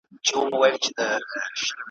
یوه ورځ وو پیر بازار ته راوتلی `